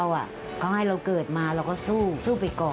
สวัสดีค่ะสวัสดีค่ะ